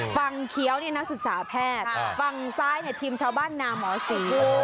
ฟังเขียวนี่นักศึกษาแพทย์ฟังซ้ายเนี่ยทีมชาวบ้านนามอ๋อสิ